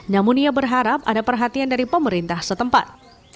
namun ia berharap ada perhatian dari pemerintah setempat